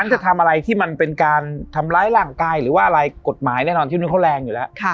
จะทำอะไรที่มันเป็นการทำร้ายร่างกายหรือว่าอะไรกฎหมายแน่นอนที่นู้นเขาแรงอยู่แล้ว